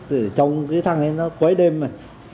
để trông cái thằng ấy nó quấy đêm này